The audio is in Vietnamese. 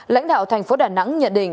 lãnh đạo tp đà nẵng nhận định